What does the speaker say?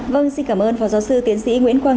vâng xin cảm ơn phó giáo sư tiến sĩ nguyễn quang